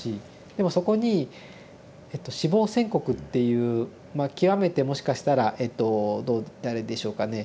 でもそこに死亡宣告っていうまあ極めてもしかしたらえと誰でしょうかね